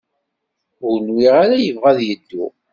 Ur nwiɣ ara yebɣa ad yeddu.